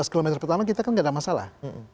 dua belas km pertama kita kan tidak ada masalah